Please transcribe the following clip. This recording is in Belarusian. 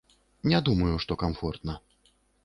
Не думаю, што камфортна.